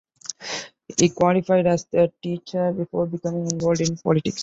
He qualified as a teacher before becoming involved in politics.